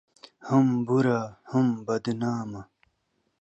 هم بوره ، هم بدنامه